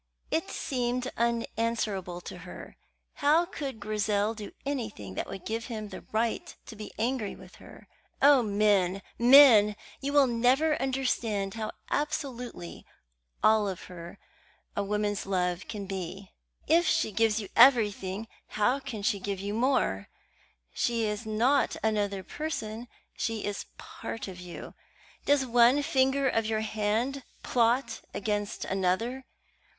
It seemed unanswerable to her. How could Grizel do anything that would give him the right to be angry with her? Oh, men, men! will you never understand how absolutely all of her a woman's love can be? If she gives you everything, how can she give you more? She is not another person; she is part of you. Does one finger of your hand plot against another?